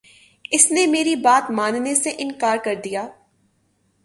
اس نے میری بات ماننے سے انکار کر دیا